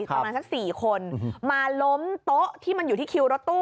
ประมาณสัก๔คนมาล้มโต๊ะที่มันอยู่ที่คิวรถตู้